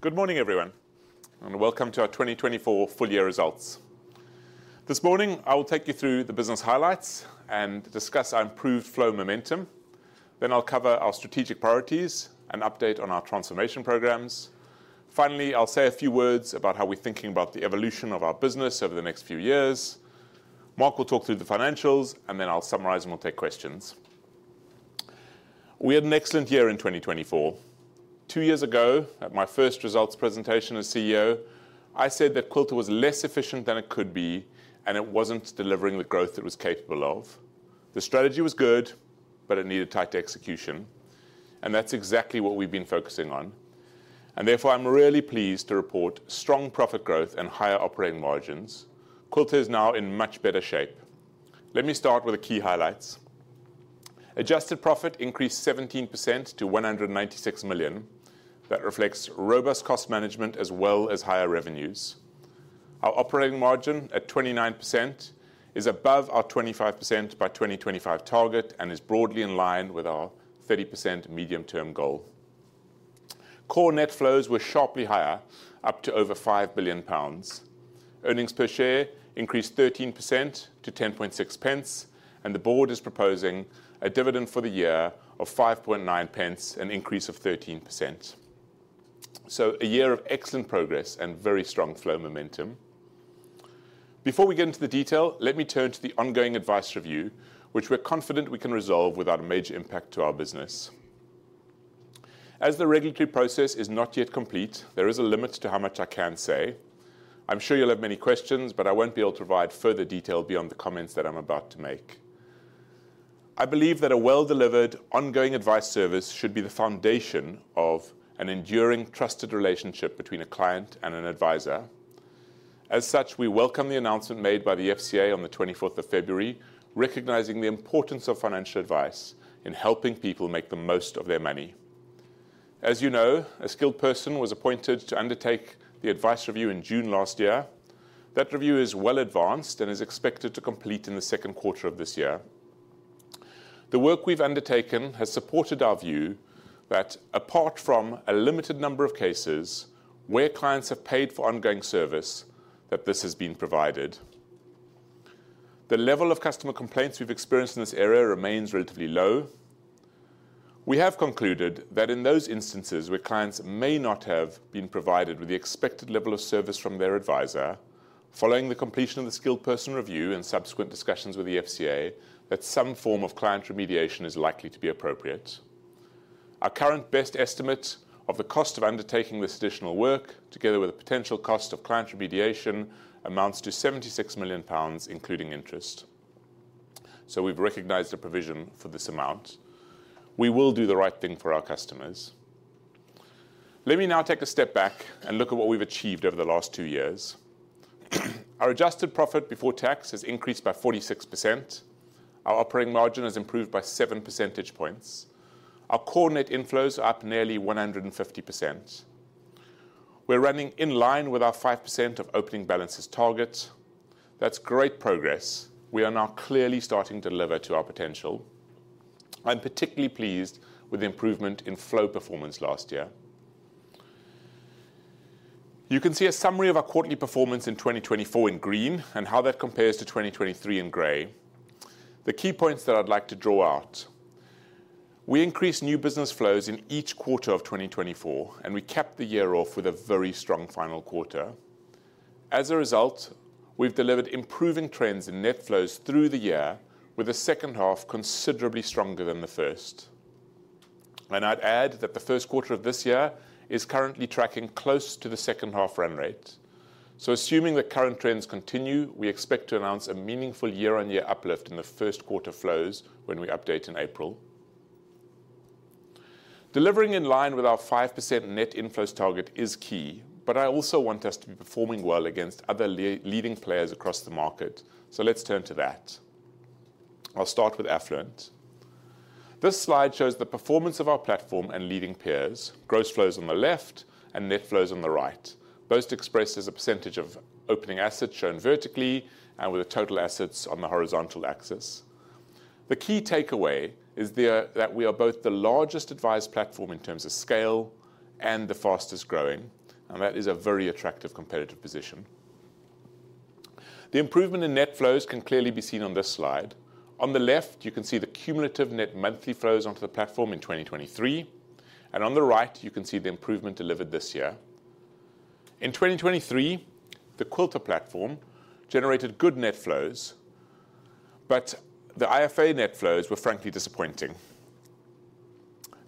Good morning, everyone, and welcome to our 2024 full year results. This morning, I will take you through the business highlights and discuss our improved flow momentum. Then I'll cover our strategic priorities and update on our transformation programs. Finally, I'll say a few words about how we're thinking about the evolution of our business over the next few years. Marc will talk through the financials, and then I'll summarize and we'll take questions. We had an excellent year in 2024. Two years ago, at my first results presentation as CEO, I said that Quilter was less efficient than it could be, and it wasn't delivering the growth it was capable of. The strategy was good, but it needed tight execution, and that's exactly what we've been focusing on, and therefore, I'm really pleased to report strong profit growth and higher operating margins. Quilter is now in much better shape. Let me start with the key highlights. Adjusted profit increased 17% to 196 million. That reflects robust cost management as well as higher revenues. Our operating margin at 29% is above our 25% by 2025 target and is broadly in line with our 30% medium-term goal. Core net flows were sharply higher, up to over £5 billion. Earnings per share increased 13% to 10.6 pence, and the board is proposing a dividend for the year of 5.9 pence, an increase of 13%. So, a year of excellent progress and very strong flow momentum. Before we get into the detail, let me turn to the ongoing advice review, which we're confident we can resolve without a major impact to our business. As the regulatory process is not yet complete, there is a limit to how much I can say. I'm sure you'll have many questions, but I won't be able to provide further detail beyond the comments that I'm about to make. I believe that a well-delivered, ongoing advice service should be the foundation of an enduring, trusted relationship between a client and an advisor. As such, we welcome the announcement made by the FCA on the 24th of February, recognizing the importance of financial advice in helping people make the most of their money. As you know, a skilled person was appointed to undertake the advice review in June last year. That review is well advanced and is expected to complete in the second quarter of this year. The work we've undertaken has supported our view that, apart from a limited number of cases where clients have paid for ongoing service, this has been provided. The level of customer complaints we've experienced in this area remains relatively low. We have concluded that in those instances where clients may not have been provided with the expected level of service from their advisor, following the completion of the Skilled Person Review and subsequent discussions with the FCA, that some form of client remediation is likely to be appropriate. Our current best estimate of the cost of undertaking this additional work, together with the potential cost of client remediation, amounts to 76 million pounds, including interest. So, we've recognized a provision for this amount. We will do the right thing for our customers. Let me now take a step back and look at what we've achieved over the last two years. Our adjusted profit before tax has increased by 46%. Our operating margin has improved by 7 percentage points. Our core net inflows are up nearly 150%. We're running in line with our 5% of opening balances target. That's great progress. We are now clearly starting to deliver to our potential. I'm particularly pleased with the improvement in flow performance last year. You can see a summary of our quarterly performance in 2024 in green and how that compares to 2023 in gray. The key points that I'd like to draw out: we increased new business flows in each quarter of 2024, and we kicked the year off with a very strong final quarter. As a result, we've delivered improving trends in net flows through the year, with the second half considerably stronger than the first. And I'd add that the first quarter of this year is currently tracking close to the second half run rate. So, assuming that current trends continue, we expect to announce a meaningful year-on-year uplift in the first quarter flows when we update in April. Delivering in line with our 5% net flows target is key, but I also want us to be performing well against other leading players across the market. So, let's turn to that. I'll start with affluent. This slide shows the performance of our platform and leading peers. Gross flows on the left and net flows on the right, both expressed as a percentage of opening assets shown vertically and with the total assets on the horizontal axis. The key takeaway is that we are both the largest advised platform in terms of scale and the fastest growing, and that is a very attractive competitive position. The improvement in net flows can clearly be seen on this slide. On the left, you can see the cumulative net monthly flows onto the platform in 2023, and on the right, you can see the improvement delivered this year. In 2023, the Quilter platform generated good net flows, but the IFA net flows were frankly disappointing.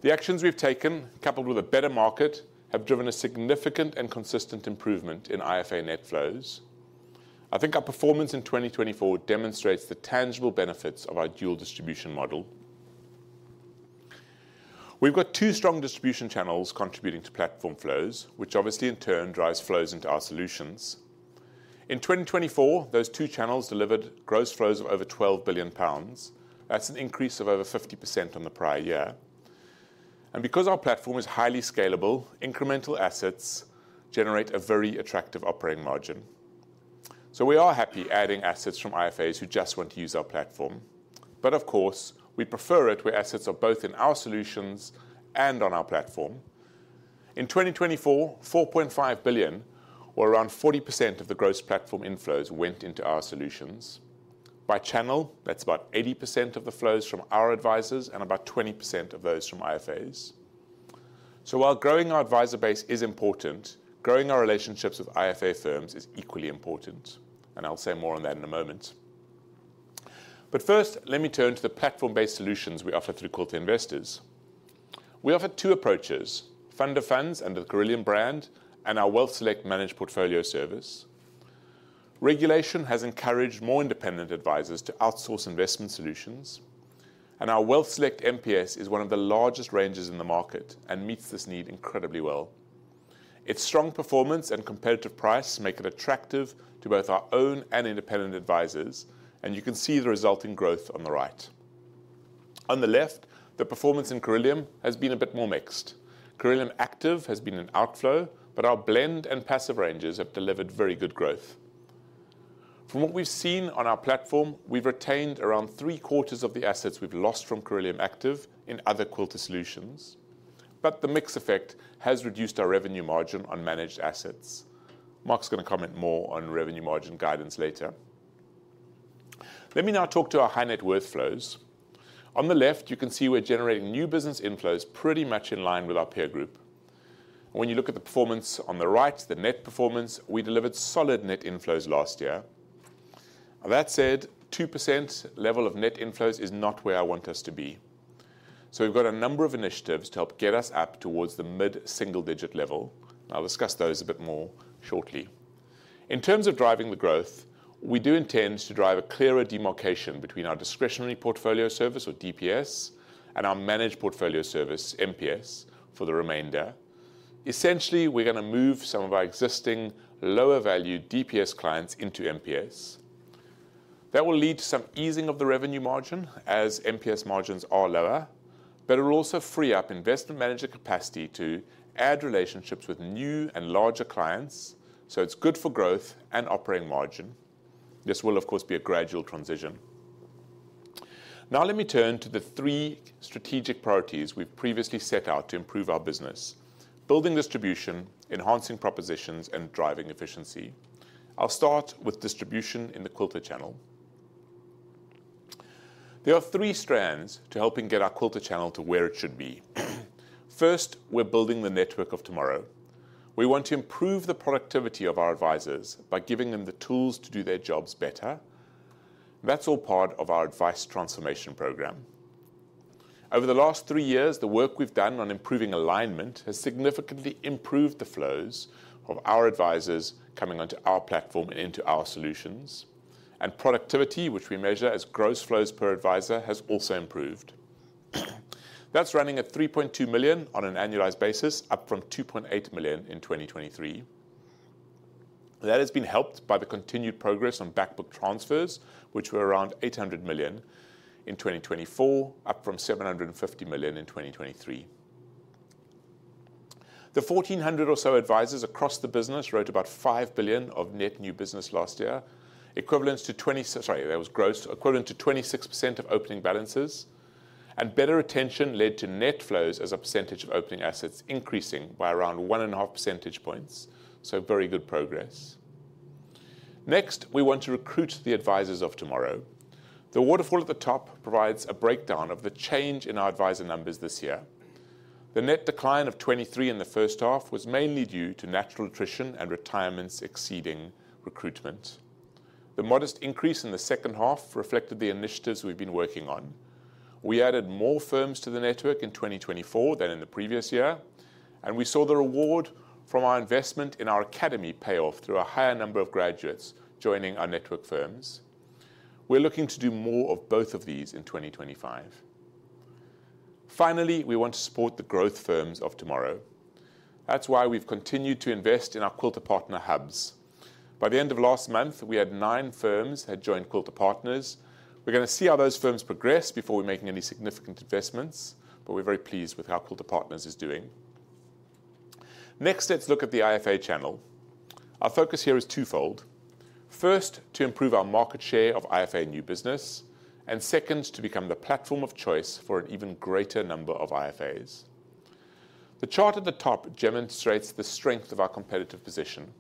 The actions we've taken, coupled with a better market, have driven a significant and consistent improvement in IFA net flows. I think our performance in 2024 demonstrates the tangible benefits of our dual distribution model. We've got two strong distribution channels contributing to platform flows, which obviously, in turn, drives flows into our solutions. In 2024, those two channels delivered gross flows of over 12 billion pounds. That's an increase of over 50% on the prior year. And because our platform is highly scalable, incremental assets generate a very attractive operating margin. So, we are happy adding assets from IFAs who just want to use our platform. But of course, we prefer it where assets are both in our solutions and on our platform. In 2024, 4.5 billion, or around 40% of the gross platform inflows, went into our solutions. By channel, that's about 80% of the flows from our advisors and about 20% of those from IFAs. So, while growing our advisor base is important, growing our relationships with IFA firms is equally important. And I'll say more on that in a moment. But first, let me turn to the platform-based solutions we offer through Quilter Investors. We offer two approaches: Fund of Funds under the Cirilium brand and our WealthSelect Managed Portfolio Service. Regulation has encouraged more independent advisors to outsource investment solutions, and our WealthSelect MPS is one of the largest ranges in the market and meets this need incredibly well. Its strong performance and competitive price make it attractive to both our own and independent advisors, and you can see the resulting growth on the right. On the left, the performance in Cirilium has been a bit more mixed. Cirilium Active has been an outflow, but our blend and passive ranges have delivered very good growth. From what we've seen on our platform, we've retained around three quarters of the assets we've lost from Cirilium Active in other Quilter solutions, but the mix effect has reduced our revenue margin on managed assets. Marc's going to comment more on revenue margin guidance later. Let me now talk to our high-net-worth flows. On the left, you can see we're generating new business inflows pretty much in line with our peer group. When you look at the performance on the right, the net performance, we delivered solid net inflows last year. That said, 2% level of net inflows is not where I want us to be. So, we've got a number of initiatives to help get us up towards the mid-single-digit level. I'll discuss those a bit more shortly. In terms of driving the growth, we do intend to drive a clearer demarcation between our discretionary portfolio service, or DPS, and our managed portfolio service, MPS, for the remainder. Essentially, we're going to move some of our existing lower-value DPS clients into MPS. That will lead to some easing of the revenue margin as MPS margins are lower, but it will also free up investment manager capacity to add relationships with new and larger clients. So, it's good for growth and operating margin. This will, of course, be a gradual transition. Now, let me turn to the three strategic priorities we've previously set out to improve our business: building distribution, enhancing propositions, and driving efficiency. I'll start with distribution in the Quilter channel. There are three strands to helping get our Quilter channel to where it should be. First, we're building the network of tomorrow. We want to improve the productivity of our advisors by giving them the tools to do their jobs better. That's all part of our advice transformation program. Over the last three years, the work we've done on improving alignment has significantly improved the flows of our advisors coming onto our platform and into our solutions. And productivity, which we measure as gross flows per advisor, has also improved. That's running at 3.2 million on an annualized basis, up from 2.8 million in 2023. That has been helped by the continued progress on backbook transfers, which were around 800 million in 2024, up from 750 million in 2023. The 1,400 or so advisors across the business wrote about 5 billion of net new business last year, equivalent to 26% of opening balances. Better attention led to net flows as a percentage of opening assets increasing by around one and a half percentage points. Very good progress. Next, we want to recruit the advisors of tomorrow. The waterfall at the top provides a breakdown of the change in our advisor numbers this year. The net decline of 23 in the first half was mainly due to natural attrition and retirements exceeding recruitment. The modest increase in the second half reflected the initiatives we've been working on. We added more firms to the network in 2024 than in the previous year, and we saw the reward from our investment in our academy pay off through a higher number of graduates joining our network firms. We're looking to do more of both of these in 2025. Finally, we want to support the growth firms of tomorrow. That's why we've continued to invest in our Quilter Partner Hubs. By the end of last month, we had nine firms joined Quilter Partners. We're going to see how those firms progress before we make any significant investments, but we're very pleased with how Quilter Partners is doing. Next, let's look at the IFA channel. Our focus here is twofold. First, to improve our market share of IFA new business, and second, to become the platform of choice for an even greater number of IFAs. The chart at the top demonstrates the strength of our competitive position.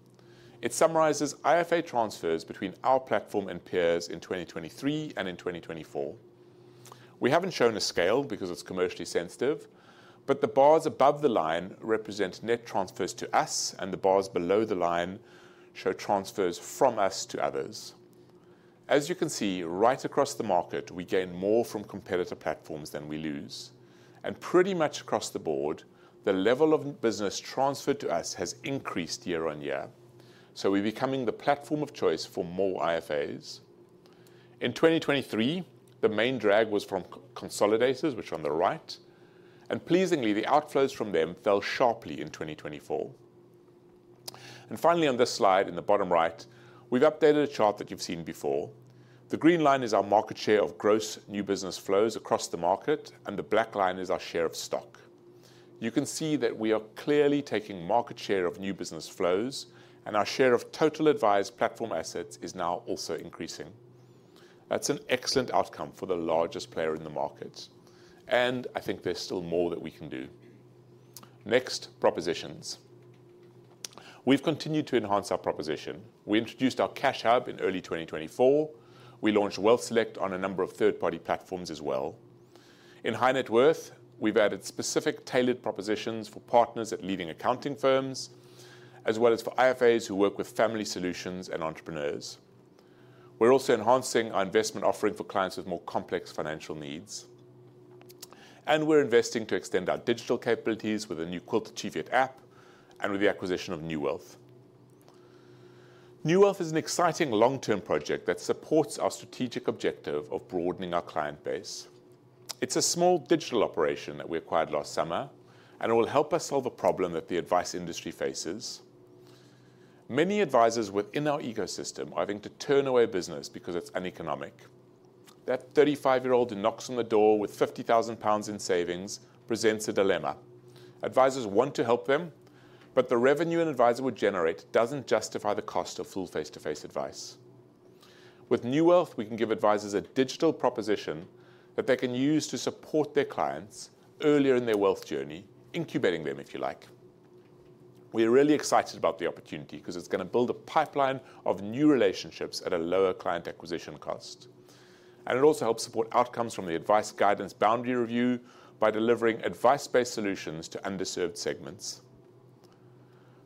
It summarizes IFA transfers between our platform and peers in 2023 and in 2024. We haven't shown a scale because it's commercially sensitive, but the bars above the line represent net transfers to us, and the bars below the line show transfers from us to others. As you can see, right across the market, we gain more from competitor platforms than we lose, and pretty much across the board, the level of business transferred to us has increased year on year, so we're becoming the platform of choice for more IFAs. In 2023, the main drag was from consolidators, which are on the right, and pleasingly, the outflows from them fell sharply in 2024, and finally, on this slide in the bottom right, we've updated a chart that you've seen before. The green line is our market share of gross new business flows across the market, and the black line is our share of stock. You can see that we are clearly taking market share of new business flows, and our share of total advised platform assets is now also increasing. That's an excellent outcome for the largest player in the market, and I think there's still more that we can do. Next, propositions. We've continued to enhance our proposition. We introduced our Cash Hub in early 2024. We launched WealthSelect on a number of third-party platforms as well. In high-net-worth, we've added specific tailored propositions for partners at leading accounting firms, as well as for IFAs who work with family solutions and entrepreneurs. We're also enhancing our investment offering for clients with more complex financial needs, and we're investing to extend our digital capabilities with a new Quilter Cheviot App and with the acquisition of NuWealth. NuWealth is an exciting long-term project that supports our strategic objective of broadening our client base. It's a small digital operation that we acquired last summer, and it will help us solve a problem that the advice industry faces. Many advisors within our ecosystem are having to turn away business because it's uneconomic. That 35-year-old who knocks on the door with 50,000 pounds in savings presents a dilemma. Advisors want to help them, but the revenue an advisor would generate doesn't justify the cost of full face-to-face advice. With NuWealth, we can give advisors a digital proposition that they can use to support their clients earlier in their wealth journey, incubating them, if you like. We are really excited about the opportunity because it's going to build a pipeline of new relationships at a lower client acquisition cost. It also helps support outcomes from the Advice Guidance Boundary Review by delivering advice-based solutions to underserved segments.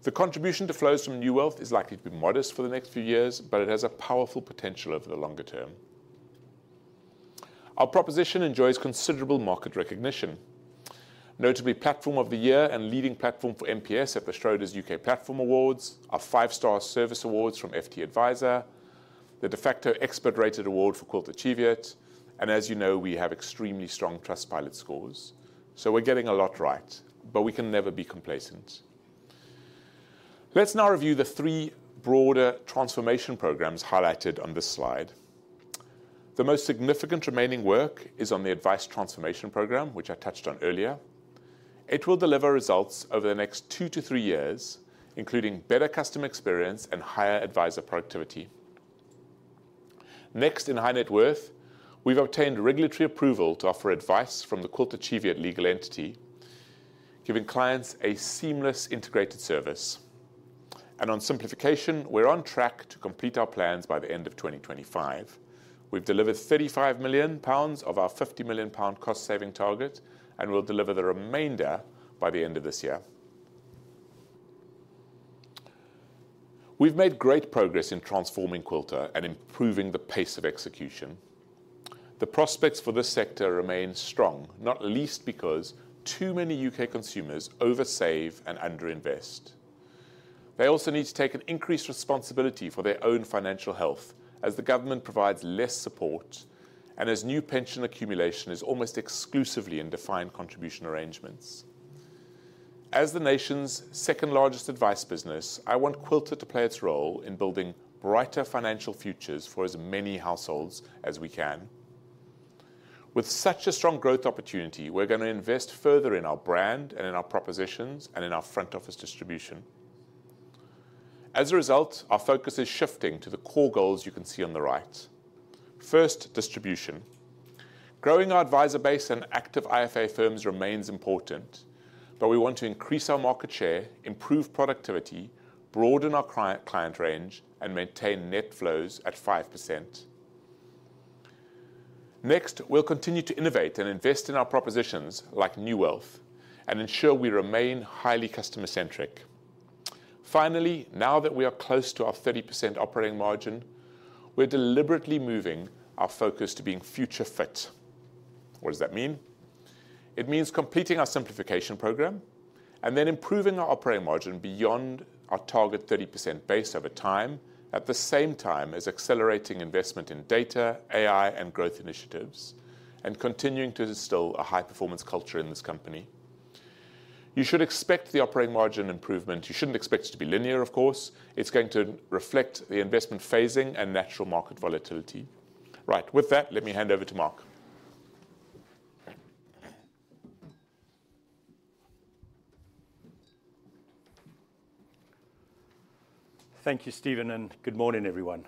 The contribution to flows from NuWealth is likely to be modest for the next few years, but it has a powerful potential over the longer term. Our proposition enjoys considerable market recognition, notably Platform of the Year and leading platform for MPS at the Schroders UK Platform Awards, our five-star service awards from FTAdviser, the Defaqto expert-rated award for Quilter Cheviot, and as you know, we have extremely strong Trustpilot scores. We're getting a lot right, but we can never be complacent. Let's now review the three broader transformation programs highlighted on this slide. The most significant remaining work is on the advice transformation program, which I touched on earlier. It will deliver results over the next two to three years, including better customer experience and higher advisor productivity. Next, in high-net-worth, we've obtained regulatory approval to offer advice from the Quilter Cheviot legal entity, giving clients a seamless integrated service, and on simplification, we're on track to complete our plans by the end of 2025. We've delivered 35 million pounds of our 50 million pound cost-saving target, and we'll deliver the remainder by the end of this year. We've made great progress in transforming Quilter and improving the pace of execution. The prospects for this sector remain strong, not least because too many U.K. consumers oversave and underinvest. They also need to take an increased responsibility for their own financial health as the government provides less support and as new pension accumulation is almost exclusively in defined contribution arrangements. As the nation's second-largest advice business, I want Quilter to play its role in building brighter financial futures for as many households as we can. With such a strong growth opportunity, we're going to invest further in our brand and in our propositions and in our front office distribution. As a result, our focus is shifting to the core goals you can see on the right. First, distribution. Growing our advisor base and active IFA firms remains important, but we want to increase our market share, improve productivity, broaden our client range, and maintain net flows at 5%. Next, we'll continue to innovate and invest in our propositions like NuWealth and ensure we remain highly customer-centric. Finally, now that we are close to our 30% operating margin, we're deliberately moving our focus to being future-fit. What does that mean? It means completing our simplification program and then improving our operating margin beyond our target 30% base over time, at the same time as accelerating investment in data, AI, and growth initiatives, and continuing to instill a high-performance culture in this company. You should expect the operating margin improvement. You shouldn't expect it to be linear, of course. It's going to reflect the investment phasing and natural market volatility. Right, with that, let me hand over to Marc. Thank you, Stephen, and good morning, everyone.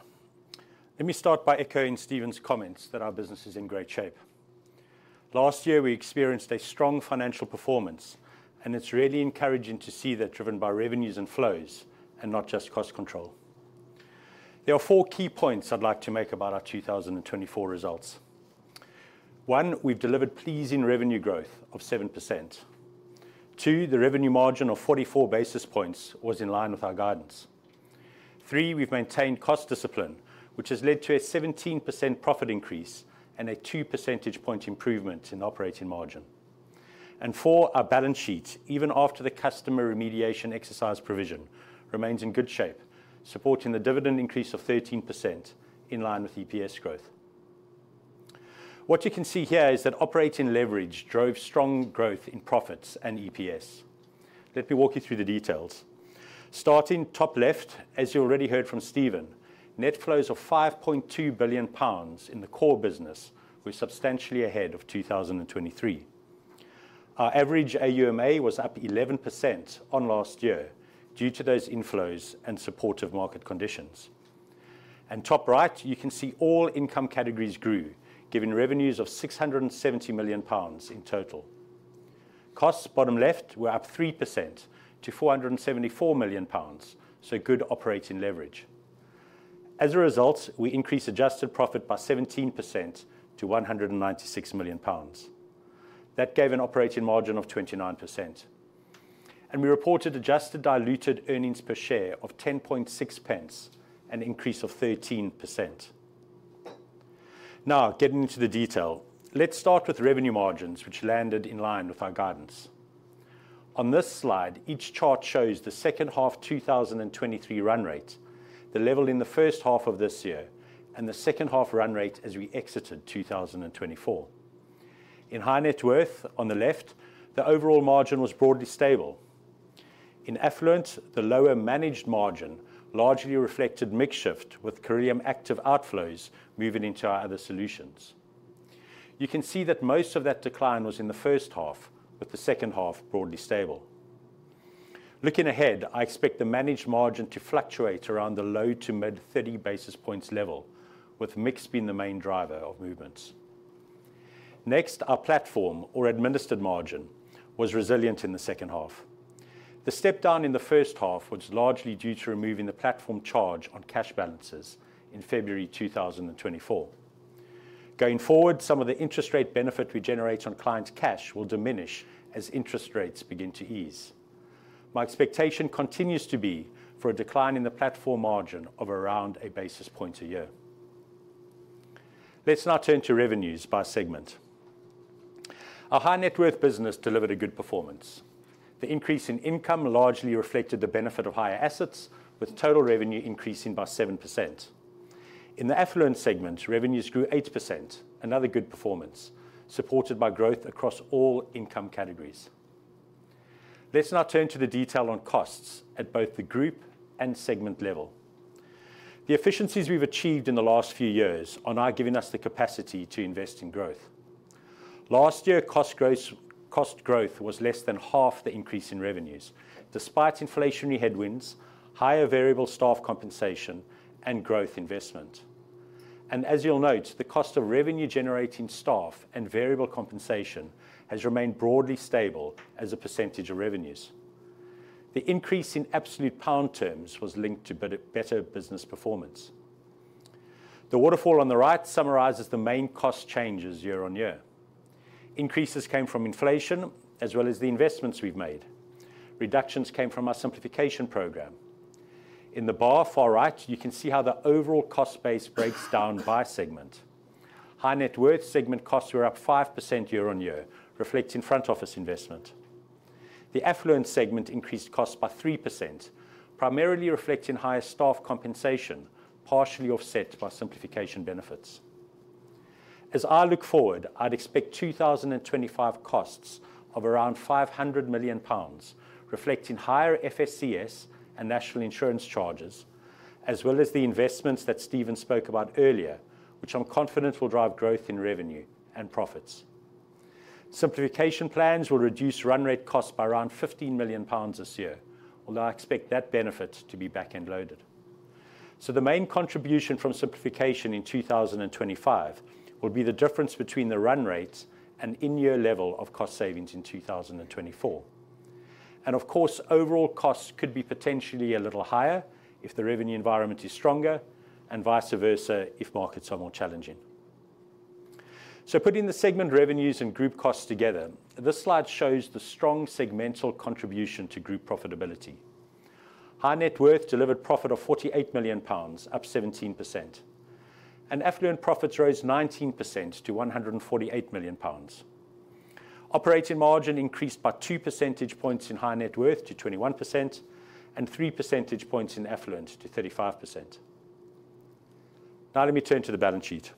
Let me start by echoing Stephen's comments that our business is in great shape. Last year, we experienced a strong financial performance, and it's really encouraging to see that driven by revenues and flows and not just cost control. There are four key points I'd like to make about our 2024 results. One, we've delivered pleasing revenue growth of 7%. Two, the revenue margin of 44 basis points was in line with our guidance. Three, we've maintained cost discipline, which has led to a 17% profit increase and a 2 percentage point improvement in operating margin. And four, our balance sheet, even after the customer remediation exercise provision, remains in good shape, supporting the dividend increase of 13% in line with EPS growth. What you can see here is that operating leverage drove strong growth in profits and EPS. Let me walk you through the details. Starting top left, as you already heard from Stephen, net flows of 5.2 billion pounds in the core business were substantially ahead of 2023. Our average AUMA was up 11% on last year due to those inflows and supportive market conditions. And top right, you can see all income categories grew, giving revenues of 670 million pounds in total. Costs bottom left were up 3% to £474 million, so good operating leverage. As a result, we increased adjusted profit by 17% to £196 million. That gave an operating margin of 29%, and we reported adjusted diluted earnings per share of £10.60, an increase of 13%. Now, getting into the detail, let's start with revenue margins, which landed in line with our guidance. On this slide, each chart shows the second half 2023 run rate, the level in the first half of this year, and the second half run rate as we exited 2024. In high-net-worth on the left, the overall margin was broadly stable. In affluent, the lower managed margin largely reflected mixed shift with carry-on active outflows moving into our other solutions. You can see that most of that decline was in the first half, with the second half broadly stable. Looking ahead, I expect the managed margin to fluctuate around the low to mid 30 basis points level, with mix being the main driver of movements. Next, our platform or administered margin was resilient in the second half. The step down in the first half was largely due to removing the platform charge on cash balances in February 2024. Going forward, some of the interest rate benefit we generate on clients' cash will diminish as interest rates begin to ease. My expectation continues to be for a decline in the platform margin of around a basis point a year. Let's now turn to revenues by segment. Our high-net-worth business delivered a good performance. The increase in income largely reflected the benefit of higher assets, with total revenue increasing by 7%. In the affluent segment, revenues grew 8%, another good performance, supported by growth across all income categories. Let's now turn to the detail on costs at both the group and segment level. The efficiencies we've achieved in the last few years are now giving us the capacity to invest in growth. Last year, cost growth was less than half the increase in revenues, despite inflationary headwinds, higher variable staff compensation, and growth investment. And as you'll note, the cost of revenue-generating staff and variable compensation has remained broadly stable as a percentage of revenues. The increase in absolute pound terms was linked to better business performance. The waterfall on the right summarizes the main cost changes year on year. Increases came from inflation, as well as the investments we've made. Reductions came from our simplification program. In the bar far right, you can see how the overall cost base breaks down by segment. High Net Worth segment costs were up 5% year on year, reflecting front office investment. The affluent segment increased costs by 3%, primarily reflecting higher staff compensation, partially offset by simplification benefits. As I look forward, I'd expect 2025 costs of around £500 million, reflecting higher FSCS and national insurance charges, as well as the investments that Stephen spoke about earlier, which I'm confident will drive growth in revenue and profits. Simplification plans will reduce run rate costs by around £15 million this year, although I expect that benefit to be back-end loaded. So the main contribution from simplification in 2025 will be the difference between the run rate and in-year level of cost savings in 2024. And of course, overall costs could be potentially a little higher if the revenue environment is stronger and vice versa if markets are more challenging. So putting the segment revenues and group costs together, this slide shows the strong segmental contribution to group profitability. High-net-worth delivered profit of 48 million pounds, up 17%. Affluent profits rose 19% to 148 million pounds. Operating margin increased by two percentage points in high-net-worth to 21% and three percentage points in affluent to 35%. Now let me turn to the balance sheet.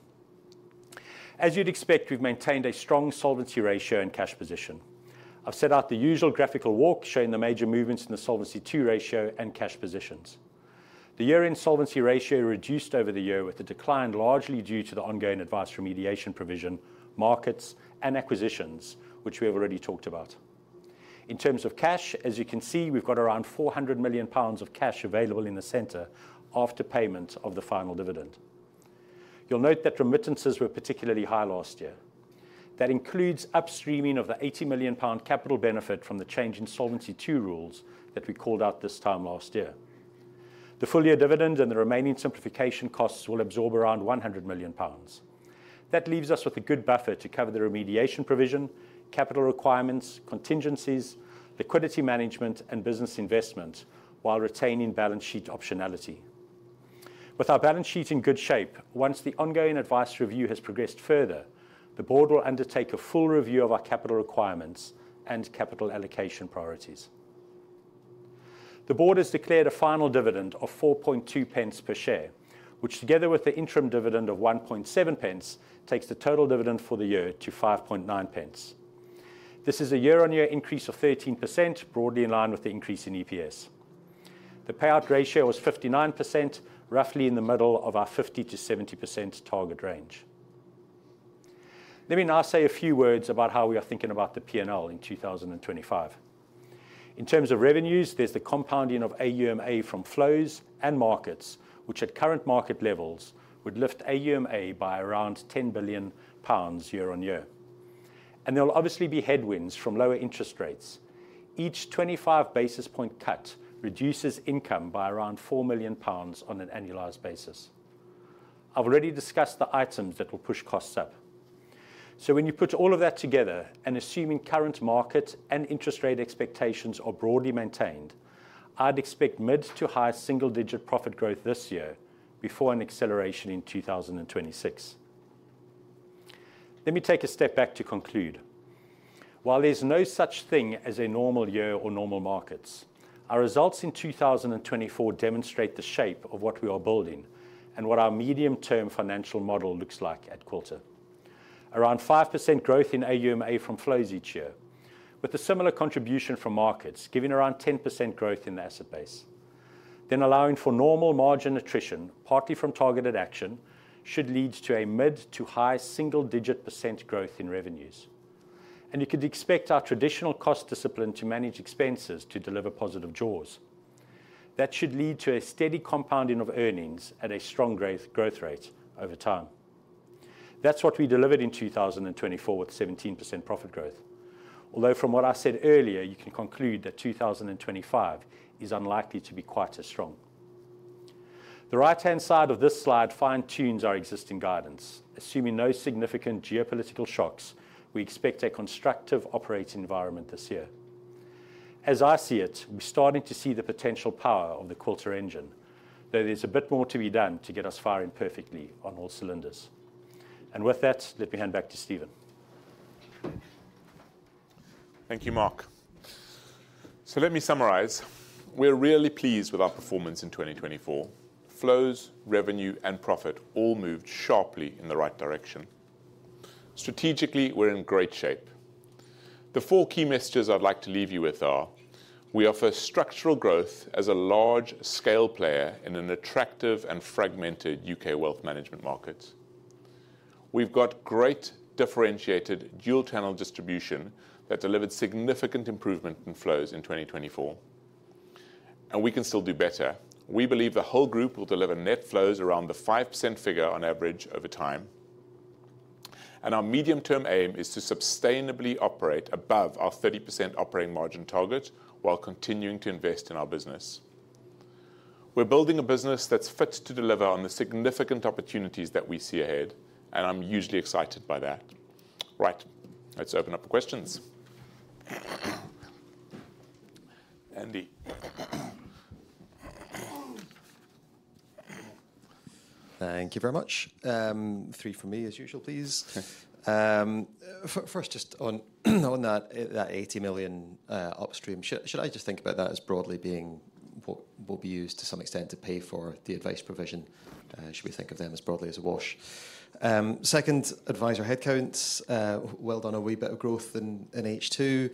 As you'd expect, we've maintained a strong solvency ratio and cash position. I've set out the usual graphical walk showing the major movements in the Solvency II ratio and cash positions. The year-end solvency ratio reduced over the year with a decline largely due to the ongoing advice remediation provision, markets, and acquisitions, which we have already talked about. In terms of cash, as you can see, we've got around 400 million pounds of cash available in the center after payment of the final dividend. You'll note that remittances were particularly high last year. That includes upstreaming of the 80 million pound capital benefit from the change in Solvency II rules that we called out this time last year. The full year dividend and the remaining simplification costs will absorb around 100 million pounds. That leaves us with a good buffer to cover the remediation provision, capital requirements, contingencies, liquidity management, and business investment while retaining balance sheet optionality. With our balance sheet in good shape, once the ongoing advice review has progressed further, the board will undertake a full review of our capital requirements and capital allocation priorities. The board has declared a final dividend of 4.20 per share, which together with the interim dividend of 1.70 takes the total dividend for the year to 5.90. This is a year-on-year increase of 13%, broadly in line with the increase in EPS. The payout ratio was 59%, roughly in the middle of our 50%-70% target range. Let me now say a few words about how we are thinking about the P&L in 2025. In terms of revenues, there's the compounding of AUMA from flows and markets, which at current market levels would lift AUMA by around £10 billion year on year. And there will obviously be headwinds from lower interest rates. Each 25 basis point cut reduces income by around £4 million on an annualized basis. I've already discussed the items that will push costs up. So when you put all of that together and assuming current market and interest rate expectations are broadly maintained, I'd expect mid to high single-digit profit growth this year before an acceleration in 2026. Let me take a step back to conclude. While there's no such thing as a normal year or normal markets, our results in 2024 demonstrate the shape of what we are building and what our medium-term financial model looks like at Quilter. Around 5% growth in AUMA from flows each year, with a similar contribution from markets giving around 10% growth in the asset base. Then allowing for normal margin attrition, partly from targeted action, should lead to a mid- to high-single-digit % growth in revenues. And you could expect our traditional cost discipline to manage expenses to deliver positive jaws. That should lead to a steady compounding of earnings at a strong growth rate over time. That's what we delivered in 2024 with 17% profit growth. Although from what I said earlier, you can conclude that 2025 is unlikely to be quite as strong. The right-hand side of this slide fine-tunes our existing guidance. Assuming no significant geopolitical shocks, we expect a constructive operating environment this year. As I see it, we're starting to see the potential power of the Quilter engine, though there's a bit more to be done to get us firing perfectly on all cylinders, and with that, let me hand back to Stephen. Thank you, Marc, so let me summarize. We're really pleased with our performance in 2024. Flows, revenue, and profit all moved sharply in the right direction. Strategically, we're in great shape. The four key messages I'd like to leave you with are: we offer structural growth as a large-scale player in an attractive and fragmented U.K. wealth management market. We've got great differentiated dual-channel distribution that delivered significant improvement in flows in 2024, and we can still do better. We believe the whole group will deliver net flows around the 5% figure on average over time. Our medium-term aim is to sustainably operate above our 30% operating margin target while continuing to invest in our business. We're building a business that's fit to deliver on the significant opportunities that we see ahead, and I'm usually excited by that. Right, let's open up for questions. Andy. Thank you very much. Three from me, as usual, please. First, just on that 80 million upstream, should I just think about that as broadly being what will be used to some extent to pay for the advice provision? Should we think of them as broadly as a wash? Second, advisor headcounts well done a wee bit of growth in H2,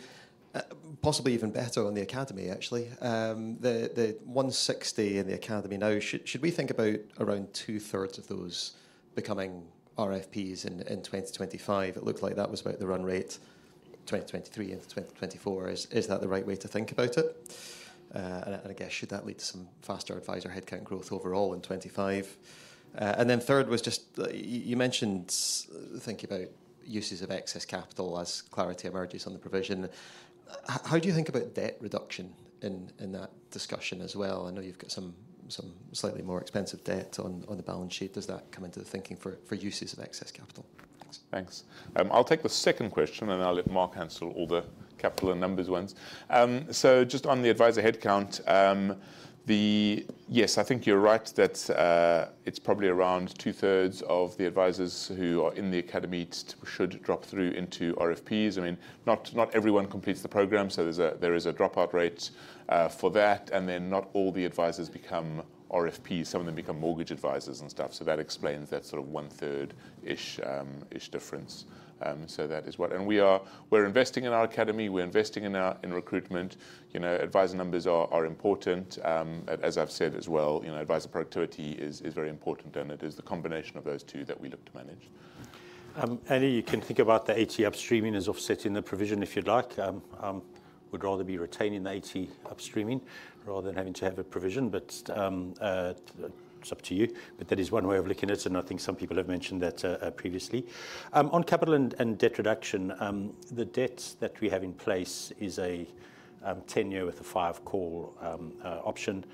possibly even better on the academy, actually. The 160 in the academy now, should we think about around two-thirds of those becoming RFPs in 2025? It looked like that was about the run rate 2023 into 2024. Is that the right way to think about it? And I guess, should that lead to some faster advisor headcount growth overall in 2025? And then third was just, you mentioned thinking about uses of excess capital as clarity emerges on the provision. How do you think about debt reduction in that discussion as well? I know you've got some slightly more expensive debt on the balance sheet. Does that come into the thinking for uses of excess capital? Thanks. I'll take the second question, and I'll let Marc answer all the capital and numbers ones, so just on the advisor headcount, yes, I think you're right that it's probably around two-thirds of the advisors who are in the academy should drop through into RFPs. I mean, not everyone completes the program, so there is a dropout rate for that. And then not all the advisors become RFPs. Some of them become mortgage advisors and stuff. So that explains that sort of one-third-ish difference. So that is what. And we're investing in our academy. We're investing in recruitment. Advisor numbers are important. As I've said as well, advisor productivity is very important, and it is the combination of those two that we look to manage. Andy, you can think about the 80 upstreaming as offsetting the provision if you'd like. I would rather be retaining the 80 upstreaming rather than having to have a provision. But it's up to you. But that is one way of looking at it. And I think some people have mentioned that previously. On capital and debt reduction, the debt that we have in place is a 10-year with a five-call option.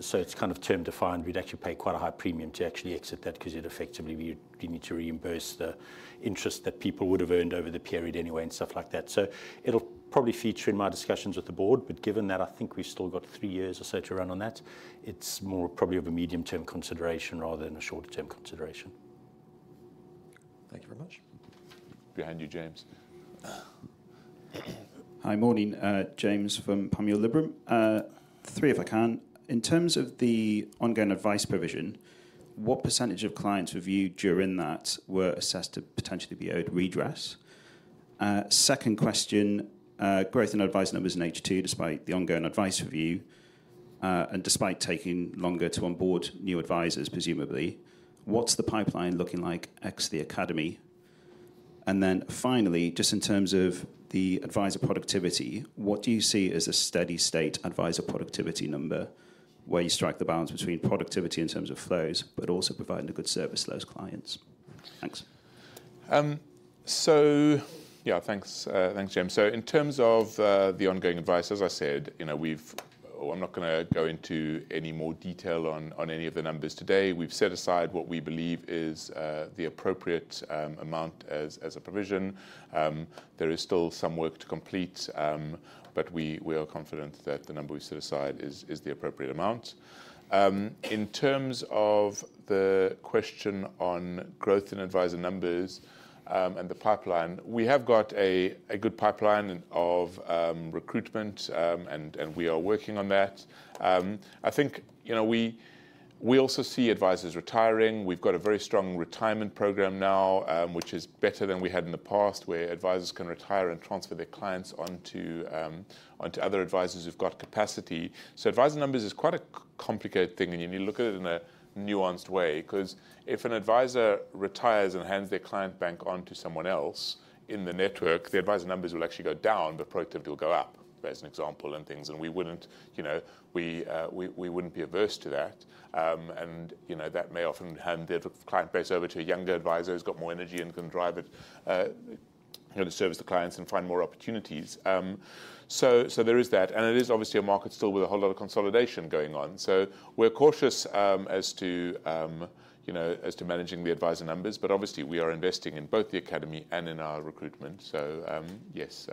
So it's kind of term-defined. We'd actually pay quite a high premium to actually exit that because it effectively we need to reimburse the interest that people would have earned over the period anyway and stuff like that. So it'll probably feature in my discussions with the board. But given that, I think we've still got three years or so to run on that. It's more probably of a medium-term consideration rather than a shorter-term consideration. Thank you very much. Behind you, James. Hi, morning. James from Panmure Liberum. Three, if I can. In terms of the ongoing advice provision, what percentage of clients reviewed during that were assessed to potentially be owed redress? Second question, growth in advisor numbers in H2 despite the ongoing advice review and despite taking longer to onboard new advisors, presumably. What's the pipeline looking like ex the academy? And then finally, just in terms of the advisor productivity, what do you see as a steady-state advisor productivity number where you strike the balance between productivity in terms of flows, but also providing a good service to those clients? Thanks. So yeah, thanks, James. So in terms of the ongoing advice, as I said, I'm not going to go into any more detail on any of the numbers today. We've set aside what we believe is the appropriate amount as a provision. There is still some work to complete, but we are confident that the number we've set aside is the appropriate amount. In terms of the question on growth in advisor numbers and the pipeline, we have got a good pipeline of recruitment, and we are working on that. I think we also see advisors retiring. We've got a very strong retirement program now, which is better than we had in the past, where advisors can retire and transfer their clients onto other advisors who've got capacity, so advisor numbers is quite a complicated thing, and you need to look at it in a nuanced way because if an advisor retires and hands their client bank onto someone else in the network, the advisor numbers will actually go down, but productivity will go up, as an example, and things, and we wouldn't be averse to that, and that may often hand their client base over to a younger advisor who's got more energy and can drive it to service the clients and find more opportunities, so there is that, and it is obviously a market still with a whole lot of consolidation going on. So we're cautious as to managing the advisor numbers, but obviously, we are investing in both the academy and in our recruitment. So yes,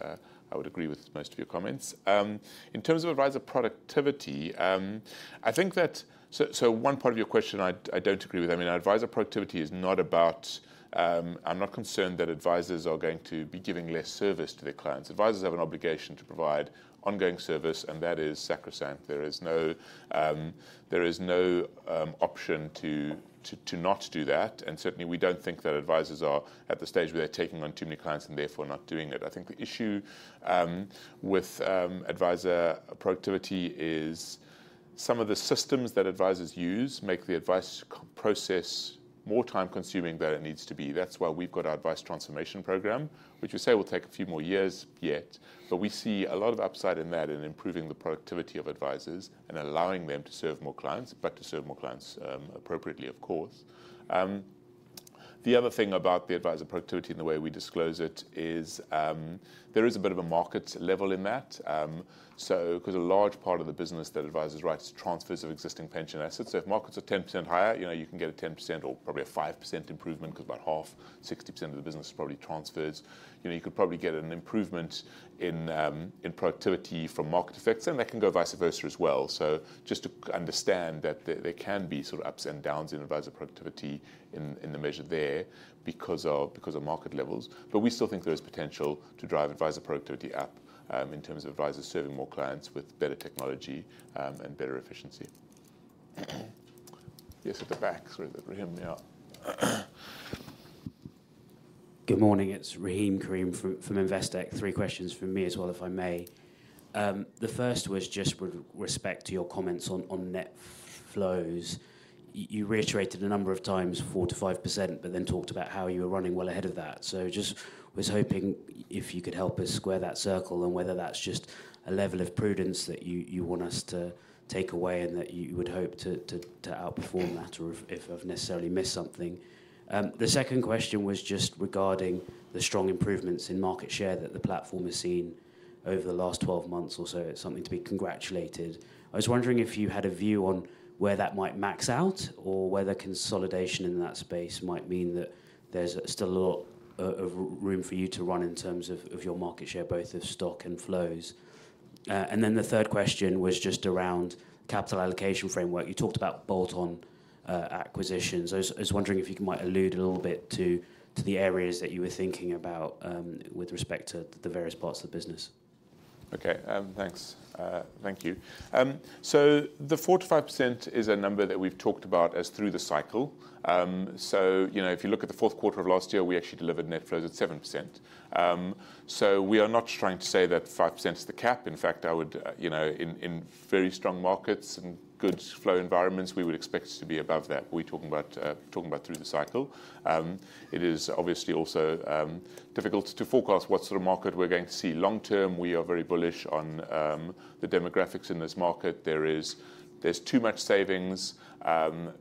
I would agree with most of your comments. In terms of advisor productivity, I think that so one part of your question, I don't agree with. I mean, advisor productivity is not about. I'm not concerned that advisors are going to be giving less service to their clients. Advisors have an obligation to provide ongoing service, and that is sacrosanct. There is no option to not do that. And certainly, we don't think that advisors are at the stage where they're taking on too many clients and therefore not doing it. I think the issue with advisor productivity is some of the systems that advisors use make the advice process more time-consuming than it needs to be. That's why we've got our advice transformation program, which we say will take a few more years yet. But we see a lot of upside in that in improving the productivity of advisors and allowing them to serve more clients, but to serve more clients appropriately, of course. The other thing about the advisor productivity and the way we disclose it is there is a bit of a market level in that because a large part of the business that advisors write is transfers of existing pension assets. So if markets are 10% higher, you can get a 10% or probably a 5% improvement because about half, 60% of the business is probably transfers. You could probably get an improvement in productivity from market effects, and that can go vice versa as well. So just to understand that there can be sort of ups and downs in advisor productivity in the measure there because of market levels. But we still think there is potential to drive advisor productivity up in terms of advisors serving more clients with better technology and better efficiency. Yes, at the back, sorry, Rahim, yeah. Good morning. It's Rahim Karim from Investec. Three questions from me as well, if I may. The first was just with respect to your comments on net flows. You reiterated a number of times 4%-5%, but then talked about how you were running well ahead of that. So just was hoping if you could help us square that circle and whether that's just a level of prudence that you want us to take away and that you would hope to outperform that or if I've necessarily missed something. The second question was just regarding the strong improvements in market share that the platform has seen over the last 12 months or so. It's something to be congratulated. I was wondering if you had a view on where that might max out or whether consolidation in that space might mean that there's still a lot of room for you to run in terms of your market share, both of stock and flows. And then the third question was just around capital allocation framework. You talked about bolt-on acquisitions. I was wondering if you might allude a little bit to the areas that you were thinking about with respect to the various parts of the business. Okay, thanks. Thank you. So the 4%-5% is a number that we've talked about as through the cycle. So if you look at the fourth quarter of last year, we actually delivered net flows at 7%. So we are not trying to say that 5% is the cap. In fact, in very strong markets and good flow environments, we would expect it to be above that. We're talking about through the cycle. It is obviously also difficult to forecast what sort of market we're going to see. Long term, we are very bullish on the demographics in this market. There's too much savings.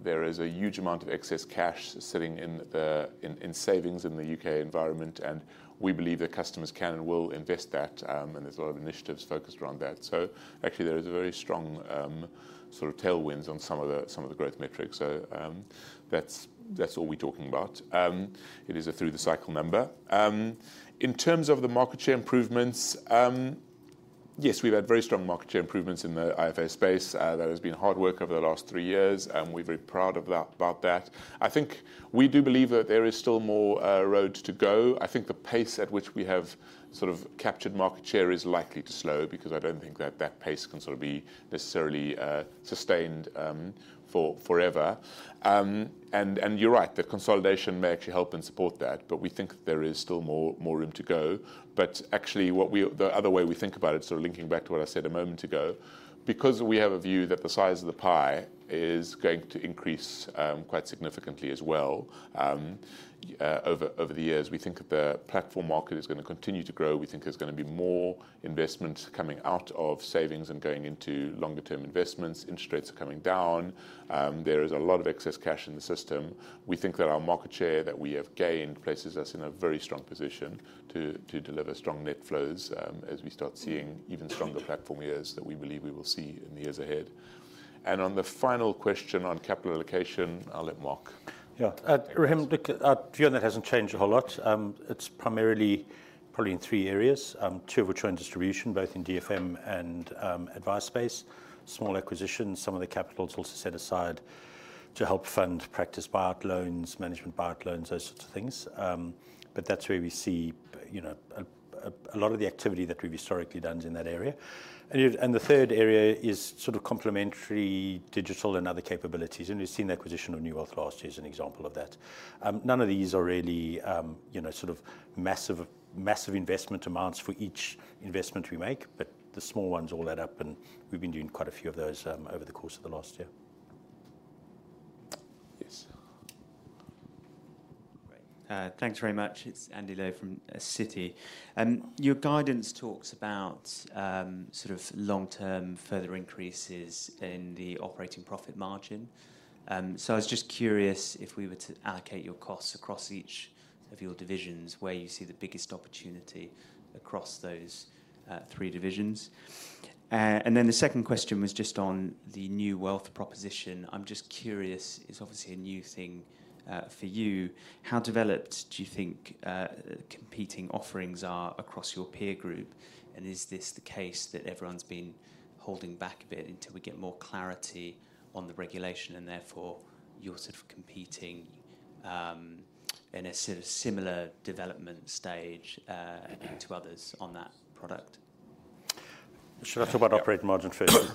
There is a huge amount of excess cash sitting in savings in the U.K. environment. And we believe that customers can and will invest that. And there's a lot of initiatives focused around that. So actually, there is a very strong sort of tailwinds on some of the growth metrics. So that's all we're talking about. It is a through-the-cycle number. In terms of the market share improvements, yes, we've had very strong market share improvements in the IFA space. There has been hard work over the last three years. We're very proud about that. I think we do believe that there is still more road to go. I think the pace at which we have sort of captured market share is likely to slow because I don't think that that pace can sort of be necessarily sustained forever. And you're right. The consolidation may actually help and support that, but we think there is still more room to go. But actually, the other way we think about it, sort of linking back to what I said a moment ago, because we have a view that the size of the pie is going to increase quite significantly as well over the years, we think that the platform market is going to continue to grow. We think there's going to be more investment coming out of savings and going into longer-term investments. Interest rates are coming down. There is a lot of excess cash in the system. We think that our market share that we have gained places us in a very strong position to deliver strong net flows as we start seeing even stronger platform years that we believe we will see in the years ahead. And on the final question on capital allocation, I'll let Marc. Yeah. Rahim, to be honest, that hasn't changed a whole lot. It's primarily probably in three areas, two of which are in distribution, both in DFM and advice space, small acquisitions. Some of the capital is also set aside to help fund practice buyout loans, management buyout loans, those sorts of things. But that's where we see a lot of the activity that we've historically done in that area, and the third area is sort of complementary digital and other capabilities. And we've seen the acquisition of NuWealth last year as an example of that. None of these are really sort of massive investment amounts for each investment we make, but the small ones all add up, and we've been doing quite a few of those over the course of the last year. Yes. Great. Thanks very much. It's Andy Lowe from Citi. Your guidance talks about sort of long-term further increases in the operating profit margin. So I was just curious if we were to allocate your costs across each of your divisions, where you see the biggest opportunity across those three divisions. And then the second question was just on the NuWealth proposition. I'm just curious, it's obviously a new thing for you. How developed do you think competing offerings are across your peer group? And is this the case that everyone's been holding back a bit until we get more clarity on the regulation and therefore you're sort of competing in a sort of similar development stage to others on that product? Should I talk about operating margin first?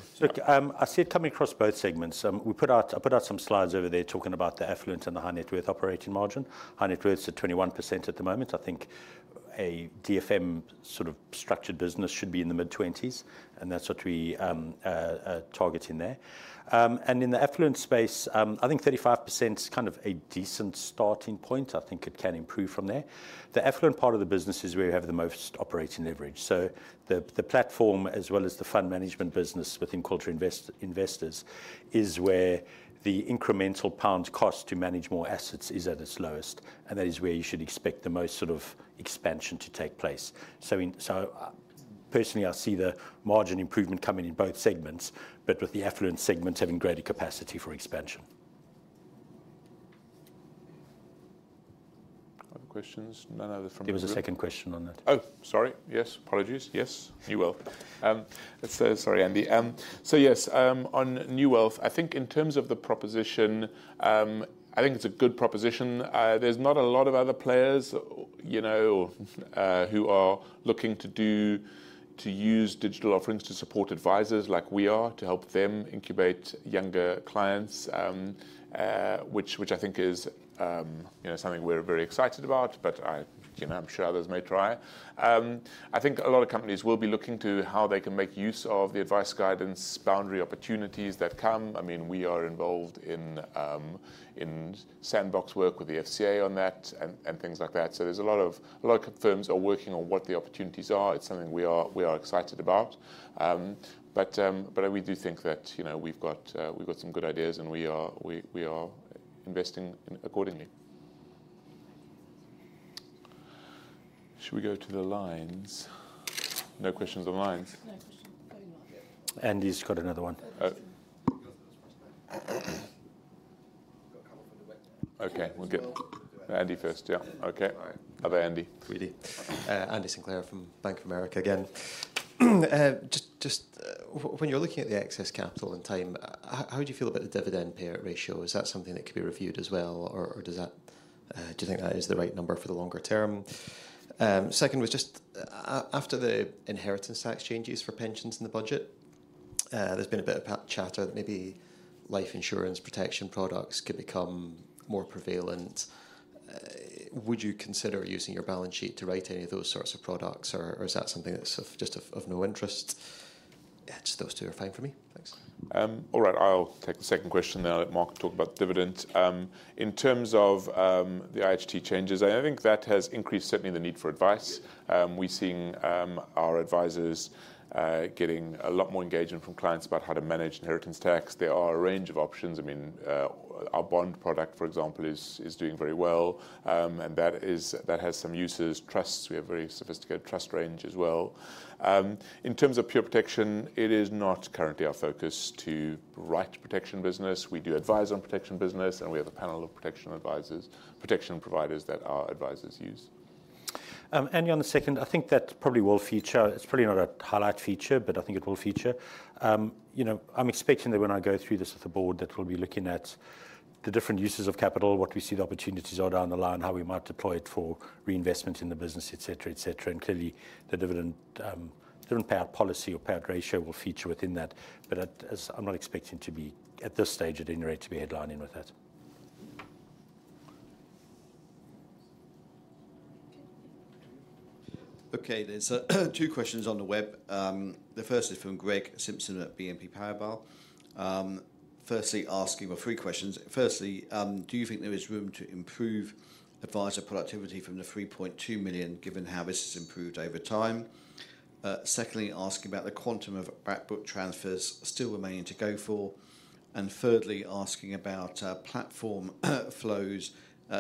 I see it coming across both segments. I put out some slides over there talking about the Affluent and the High Net Worth operating margin. High Net Worth is at 21% at the moment. I think a DFM sort of structured business should be in the mid-20s, and that's what we are targeting there, and in the affluent space, I think 35% is kind of a decent starting point. I think it can improve from there. The affluent part of the business is where you have the most operating leverage, so the platform, as well as the fund management business within Quilter Investors, is where the incremental pound cost to manage more assets is at its lowest, and that is where you should expect the most sort of expansion to take place. So personally, I see the margin improvement coming in both segments, but with the affluent segments having greater capacity for expansion. Other questions? None other from you. There was a second question on that. Oh, sorry. Yes, apologies. Yes, you will. Sorry, Andy. So yes, on NuWealth, I think in terms of the proposition, I think it's a good proposition. There's not a lot of other players who are looking to use digital offerings to support advisors like we are to help them incubate younger clients, which I think is something we're very excited about, but I'm sure others may try. I think a lot of companies will be looking to how they can make use of the advice guidance boundary opportunities that come. I mean, we are involved in sandbox work with the FCA on that and things like that. So there's a lot of firms are working on what the opportunities are. It's something we are excited about. But we do think that we've got some good ideas, and we are investing accordingly. Should we go to the lines? No questions on lines? No questions. Andy's got another one. Okay, we'll get Andy first, yeah. Okay. Other Andy. Andy Sinclair from Bank of America again. Just when you're looking at the excess capital and time, how do you feel about the dividend payout ratio? Is that something that could be reviewed as well, or do you think that is the right number for the longer term? Second was just after the inheritance tax changes for pensions in the budget, there's been a bit of chatter that maybe life insurance protection products could become more prevalent. Would you consider using your balance sheet to write any of those sorts of products, or is that something that's just of no interest? Yeah, just those two are fine for me. Thanks. All right, I'll take the second question now that Mark talked about dividends. In terms of the IHT changes, I think that has increased certainly the need for advice. We're seeing our advisors getting a lot more engagement from clients about how to manage inheritance tax. There are a range of options. I mean, our bond product, for example, is doing very well, and that has some uses. Trusts, we have a very sophisticated trust range as well. In terms of pure protection, it is not currently our focus to write protection business. We do advise on protection business, and we have a panel of protection providers that our advisors use. Andy on the second, I think that probably will feature. It's probably not a highlight feature, but I think it will feature. I'm expecting that when I go through this with the board, that we'll be looking at the different uses of capital, what we see the opportunities are down the line, how we might deploy it for reinvestment in the business, etc., etc. And clearly, the dividend payout policy or payout ratio will feature within that. But I'm not expecting to be, at this stage, at any rate, to be headlining with that. Okay, there's two questions on the web. The first is from Greg Simpson at BNP Paribas. Firstly, asking for three questions. Firstly, do you think there is room to improve advisor productivity from the 3.2 million given how this has improved over time? Secondly, asking about the quantum of backbook transfers still remaining to go for. And thirdly, asking about platform flows,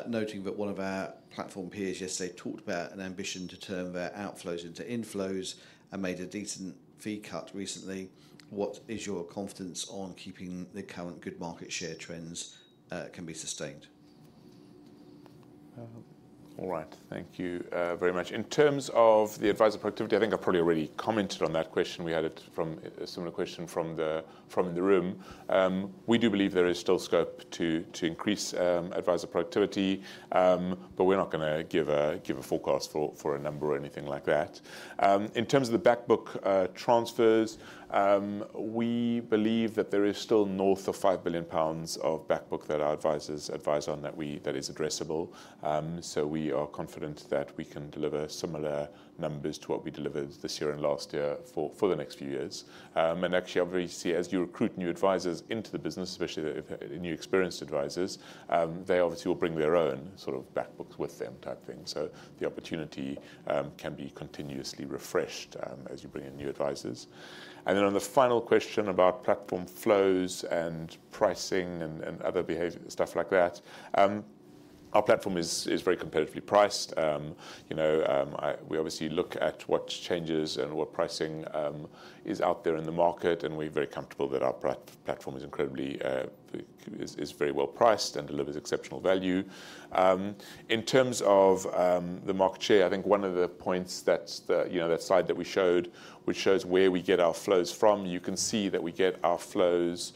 noting that one of our platform peers yesterday talked about an ambition to turn their outflows into inflows and made a decent fee cut recently. What is your confidence on keeping the current good market share trends can be sustained? All right, thank you very much. In terms of the advisor productivity, I think I probably already commented on that question. We had a similar question from the room. We do believe there is still scope to increase advisor productivity, but we're not going to give a forecast for a number or anything like that. In terms of the backbook transfers, we believe that there is still north of 5 billion pounds of backbook that our advisors advise on that is addressable. So we are confident that we can deliver similar numbers to what we delivered this year and last year for the next few years, and actually, obviously, as you recruit new advisors into the business, especially new experienced advisors, they obviously will bring their own sort of backbooks with them type thing, so the opportunity can be continuously refreshed as you bring in new advisors. And then on the final question about platform flows and pricing and other stuff like that, our platform is very competitively priced. We obviously look at what changes and what pricing is out there in the market, and we're very comfortable that our platform is very well priced and delivers exceptional value. In terms of the market share, I think one of the points, that slide that we showed, which shows where we get our flows from, you can see that we get our flows,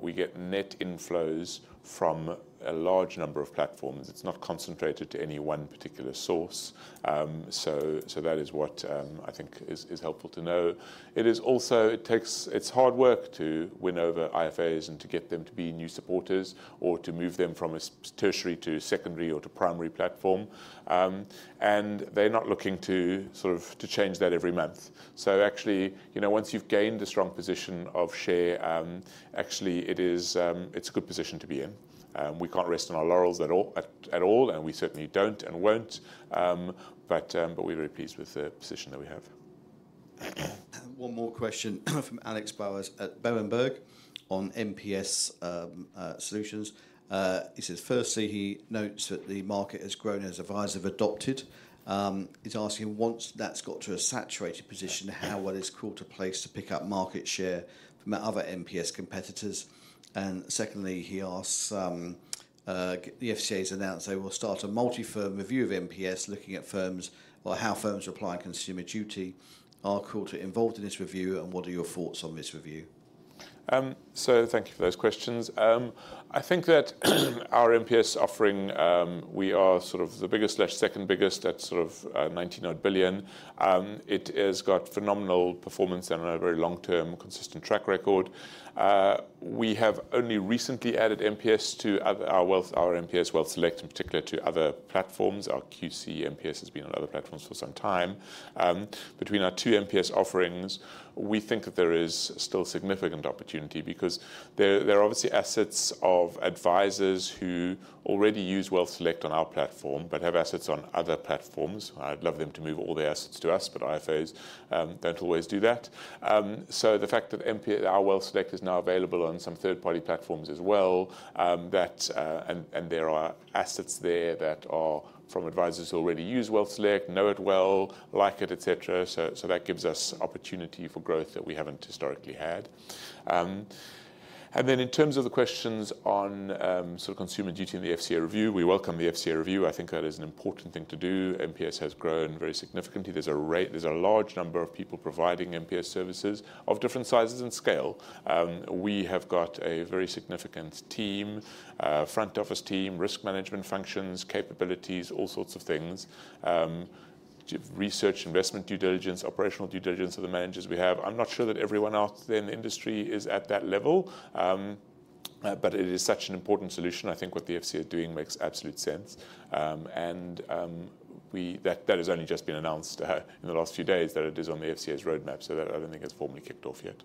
we get net inflows from a large number of platforms. It's not concentrated to any one particular source. So that is what I think is helpful to know. It is also hard work to win over IFAs and to get them to be new supporters or to move them from a tertiary to secondary or to primary platform. And they're not looking to change that every month. So actually, once you've gained a strong position of share, actually, it's a good position to be in. We can't rest on our laurels at all, and we certainly don't and won't. But we're very pleased with the position that we have. One more question from Alex Bowers at Berenberg on MPS solutions. He says, firstly, he notes that the market has grown as advisors have adopted. He's asking, once that's got to a saturated position, how well is Quilter placed to pick up market share from other MPS competitors? And secondly, he asks, the FCA has announced they will start a multi-firm review of MPS looking at how firms are applying Consumer Duty. Are Quilter involved in this review, and what are your thoughts on this review? So thank you for those questions. I think that our MPS offering, we are sort of the biggest slash second biggest at sort of £19 billion. It has got phenomenal performance and a very long-term consistent track record. We have only recently added MPS to our MPS WealthSelect, in particular to other platforms. Our QC MPS has been on other platforms for some time. Between our two MPS offerings, we think that there is still significant opportunity because there are obviously assets of advisors who already use WealthSelect on our platform but have assets on other platforms. I'd love them to move all their assets to us, but IFAs don't always do that. So the fact that our WealthSelect is now available on some third-party platforms as well, and there are assets there that are from advisors who already use WealthSelect, know it well, like it, etc. So that gives us opportunity for growth that we haven't historically had. And then in terms of the questions on sort of Consumer Duty in the FCA review, we welcome the FCA review. I think that is an important thing to do. MPS has grown very significantly. There's a large number of people providing MPS services of different sizes and scale. We have got a very significant team, front office team, risk management functions, capabilities, all sorts of things, research, investment due diligence, operational due diligence of the managers we have. I'm not sure that everyone out there in the industry is at that level, but it is such an important solution. I think what the FCA is doing makes absolute sense. That has only just been announced in the last few days that it is on the FCA's roadmap, so that I don't think it's formally kicked off yet.